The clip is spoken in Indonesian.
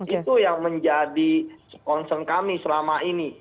itu yang menjadi concern kami selama ini